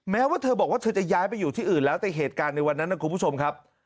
แม้ว่าเธอบอกว่าเธอจะย้ายไปอยู่ที่อื่นแล้วแต่เหตุการณ์ในวันนั้นนะคุณผู้ชมครับ